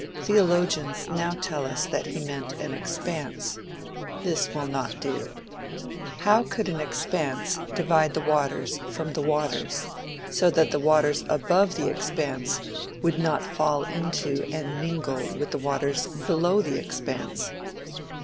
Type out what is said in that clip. Theologians now tell us that he meant an "expanse." This will not do. How could an expanse divide the waters from the waters, so that the waters above the expanse would not fall into and mingle with the waters below the expanse?